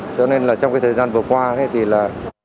cho nên là trong cái thời gian vừa qua thì là